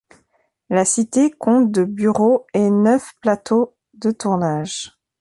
La cité compte de bureaux et neuf plateaux de tournage.